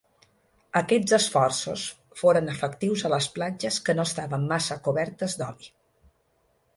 Aquests esforços foren efectius a les platges que no estaven massa cobertes d'oli.